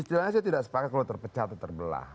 istilahnya saya tidak sepakat kalau terpecah atau terbelah